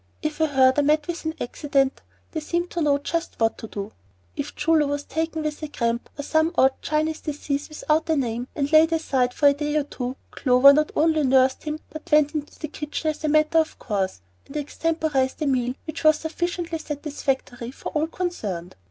If a herder met with an accident they seemed to know just what to do. If Choo Loo was taken with a cramp or some odd Chinese disease without a name, and laid aside for a day or two, Clover not only nursed him but went into the kitchen as a matter of course, and extemporized a meal which was sufficiently satisfactory for all concerned.